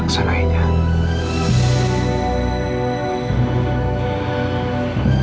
kamu gak akaniki aksan aida